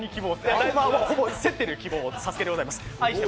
ほぼ競ってる希望、「ＳＡＳＵＫＥ」でございます。